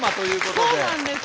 そうなんです。